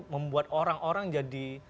membuat orang orang jadi